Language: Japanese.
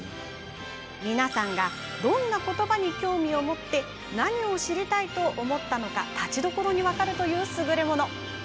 皆さんがどんな言葉に興味を持ち何を知りたいと思ったのかたちどころに分かるすぐれもの。